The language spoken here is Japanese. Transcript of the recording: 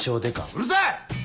うるさい！